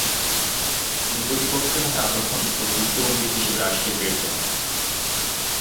তিনি প্রতিপক্ষের হাতে আটক হন ও যুদ্ধবন্দী হিসেবে রাশিয়ায় প্রেরিত হন।